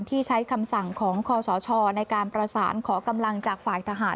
ที่ใช้คำสั่งของคอสชในการประสานขอกำลังจากฝ่ายทหาร